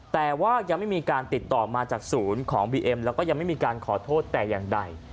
แต่ว่ายังไม่มีการติดต่อมาจากศูนย์ของบีเอ็มแล้วก็ยังไม่มีการขอโทษแต่อย่างใด